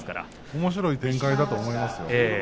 おもしろい展開だと思いますよ。